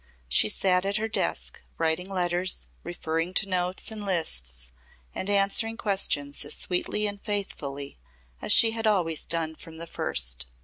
She sat at her desk, writing letters, referring to notes and lists and answering questions as sweetly and faithfully as she had always done from the first.